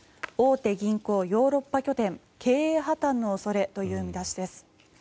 大手銀行ヨーロッパ拠点経営破たんの恐れという見出しです。